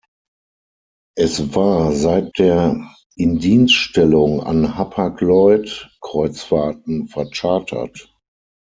Es war seit der Indienststellung an Hapag-Lloyd Kreuzfahrten verchartert.